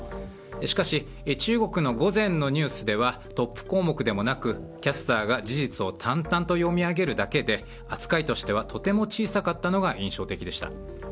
しかし中国の午前のニュースではトップ項目でもなくキャスターが事実を淡々と読み上げるだけで扱いとしては、とても小さかったのが印象的でした。